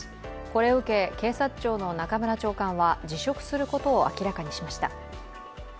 これを受け、警察庁の中村長官は辞職することを明らかにしました。